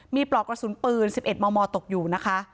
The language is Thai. มีปลอกกระสุนปืน๑๑มมตกอยู่นะคะ